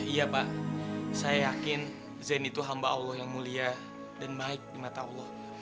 iya pak saya yakin zain itu hamba allah yang mulia dan baik di mata allah